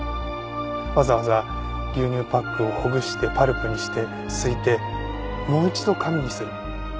わざわざ牛乳パックをほぐしてパルプにしてすいてもう一度紙にする。